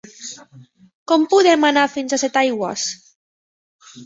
Com podem anar fins a Setaigües?